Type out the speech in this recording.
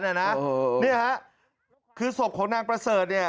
นี่ค่ะคือศพของนางประเสริฐ